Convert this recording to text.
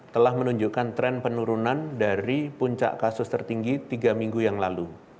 telah menunjukkan tren penurunan dari puncak kasus tertinggi tiga minggu yang lalu